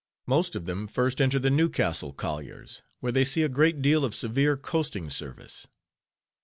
Most of them first enter the Newcastle colliers, where they see a great deal of severe coasting service.